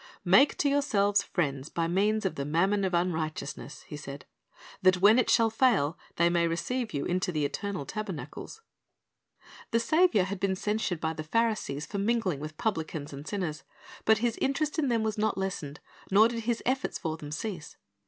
"Make to yourselves friends by means of the mammon of unrighteousness," He said, "that when it shall fail, they may receive you into the eternal tabernacles." 1 R. V 368 Christ's Object Lessons The Saviour had been censured by the Pharisees for mingling with publicans and sinners; but His interest in them was not lessened, nor did His efforts for them cease.